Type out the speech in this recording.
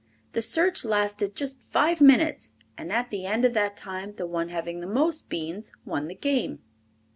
The search lasted just five minutes, and at the end of that time the one having the most beans won the game.